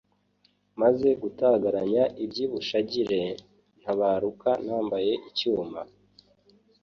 maze gutagaranya iby'i bushagire, ntabaruka nambaye icyuma